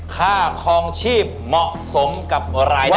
ค่าคลองชีพเหมาะสมกับรายได้